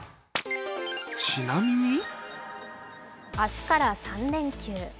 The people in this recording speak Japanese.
明日から３連休。